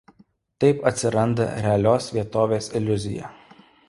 Taip atsiranda realios vietovės iliuzija.